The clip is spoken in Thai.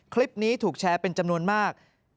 คลิปนี้ถูกแชร์เป็นจำนวนมาก